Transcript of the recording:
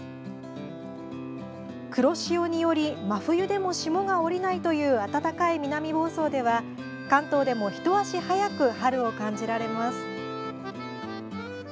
黒潮により真冬でも霜が降りないという暖かい南房総では関東でもひと足早く春を感じられます。